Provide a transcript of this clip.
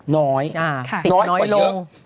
น้อยติดน้อยกว่าเยอะ